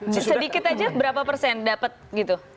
sedikit aja berapa persen dapat gitu